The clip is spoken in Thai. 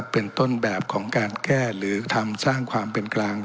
เป็นต้นแบบของการแก้หรือทำสร้างความเป็นกลาง